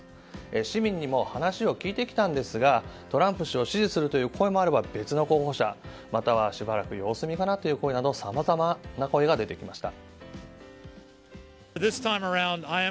市民にも話を聞いてきたんですがトランプ氏を支持する声もあれば別の候補者またはしばらく様子見かなという声などさまざまな声が出てきました。